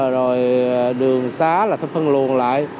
rồi đường xá là phải phân luồn lại